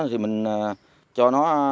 thì mình cho nó